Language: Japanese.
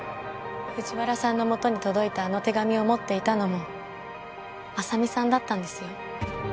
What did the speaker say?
藤原さんの元に届いたあの手紙を持っていたのも浅海さんだったんですよ。